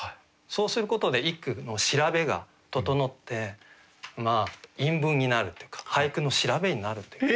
そうすることで一句の調べが整って韻文になるっていうか俳句の調べになるという。